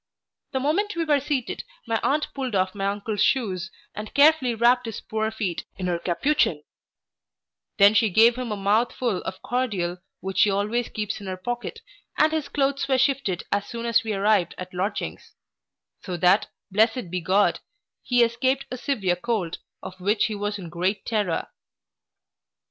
The moment we were seated, my aunt pulled off my uncle's shoes, and carefully wrapped his poor feet in her capuchin; then she gave him a mouth ful of cordial, which she always keeps in her pocket, and his clothes were shifted as soon as we arrived at lodgings; so that, blessed be God, he escaped a severe cold, of which he was in great terror.